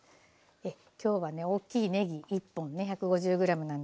今日はね大きいねぎ１本ね１５０ｇなんですけれども。